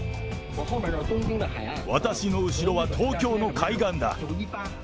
私の後ろは東京の海岸だ。